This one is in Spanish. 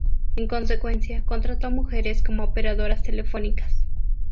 En consecuencia, contrató mujeres como operadoras telefónicas.